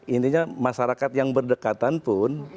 intinya masyarakat yang berdekatan pun